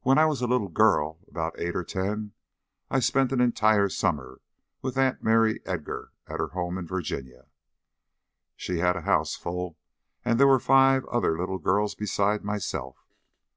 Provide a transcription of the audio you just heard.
When I was a little girl, about eight or ten, I spent an entire summer with Aunt Mary Eager at her home in Virginia. She had a house full, and there were five other little girls beside myself.